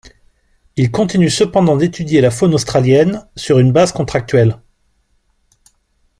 Il continue cependant d’étudier la faune australienne sur une base contractuelle.